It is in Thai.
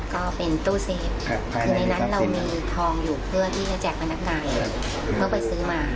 ก็เป็นตู้เซฟคือในนั้นเรามีทองอยู่เพื่อที่จะแจกพนักงานเพื่อไปซื้อมา